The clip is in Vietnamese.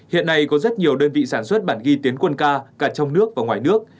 hiện nay có rất nhiều đơn vị sản xuất bản ghi tiến quân ca cả trong nước và ngoài nước